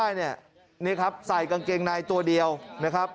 ตอนที่จับได้เนี่ยนี่ครับใส่กางเกงนายตัวเดียวนะครับ